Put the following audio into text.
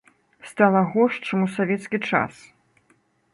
Стала горш, чым у савецкі час.